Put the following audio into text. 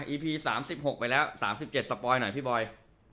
อพี๓๖ไปแล้ว๓๗สปอยหน่อยพี่บอย